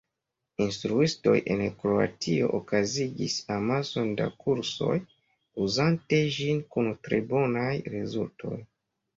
Instruistoj en Kroatio okazigis amason da kursoj uzante ĝin kun tre bonaj rezultoj.